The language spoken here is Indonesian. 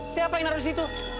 siapa yang harus di situ